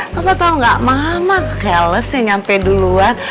papa tau gak mama kekeles yang nyampe duluan